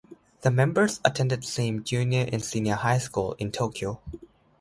The members attended same junior and senior high school in Tokyo.